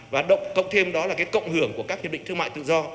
và cộng thêm đó là cái cộng hưởng của các hiệp định thương mại tự do